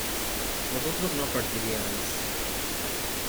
vosotros no partiríais